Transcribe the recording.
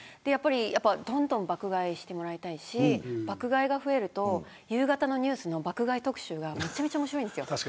どんどん爆買いしてもらいたいし爆買いが増えると夕方のニュースの爆買いの特集がめちゃくちゃ面白いんです。